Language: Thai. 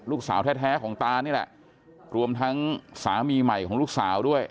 ลูกสาวแท้ของตานี่แหละรวมทั้งสามีใหม่ของลูกสาวด้วย